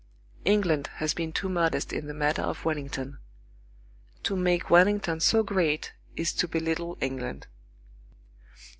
England has been too modest in the matter of Wellington. To make Wellington so great is to belittle England.